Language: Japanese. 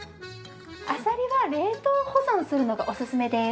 アサリは冷凍保存するのがおすすめです。